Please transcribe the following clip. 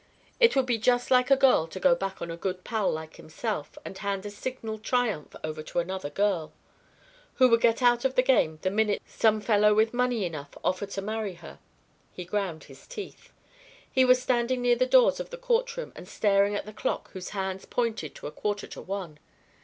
It would be just like a girl to go back on a good pal like himself and hand a signal triumph over to another girl, who would get out of the game the minute some fellow with money enough offered to marry her. He ground his teeth. He was standing near the doors of the court room and staring at the clock whose hands pointed to a quarter to one.